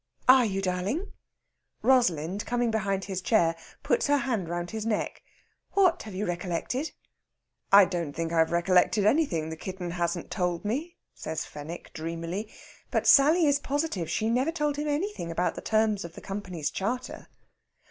"Are you, darling?" Rosalind, coming behind his chair, puts her hands round his neck. "What have you recollected?" "I don't think I've recollected anything the kitten hasn't told me," says Fenwick dreamily. But Sally is positive she never told him anything about the terms of the Company's charter.